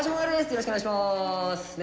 よろしくお願いします！